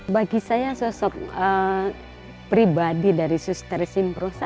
bagi saya sosok pribadi dari suster simpro